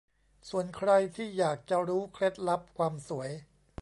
ส่วนใครที่อยากจะรู้เคล็ดลับความสวย